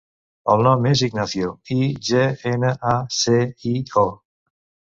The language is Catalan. El nom és Ignacio: i, ge, ena, a, ce, i, o.